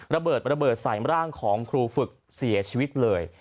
ระเบิดระเบิดใส่ร่างของครูฝึกเสียชีวิตเลย